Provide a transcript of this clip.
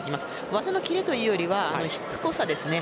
技の切れというよりはしつこさです。